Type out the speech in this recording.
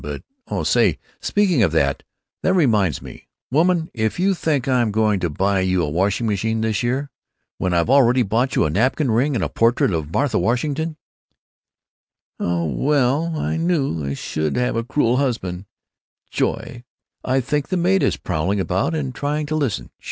But, oh, say, speaking of that, that reminds me: Woman, if you think that I'm going to buy you a washing machine this year, when I've already bought you a napkin ring and a portrait of Martha Washington——" "Oh weh! I knew I should have a cruel husband who——Joy! I think the maid is prowling about and trying to listen.